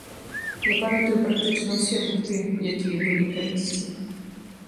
Я памятаю практычна ўсе гурты, якія былі калісьці.